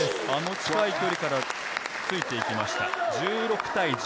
近い距離から突いてきました。